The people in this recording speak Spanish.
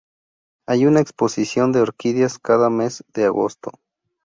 Hay una exposición de orquídeas cada mes de agosto.